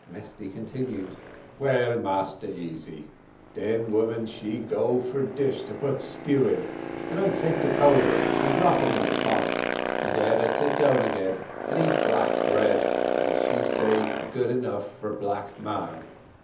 Mesty continued: "Well, Massa Easy, den woman she go for dish to put stew in, and I take de powder and drop it in de pot, and den I sit down again and eat black bread, she say good enough for black man.